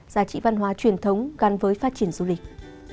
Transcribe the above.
giá trị văn hóa truyền thống gắn với phát triển du lịch